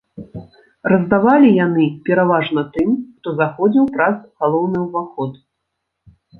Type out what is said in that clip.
Раздавалі яны пераважна тым, хто заходзіў праз галоўны ўваход.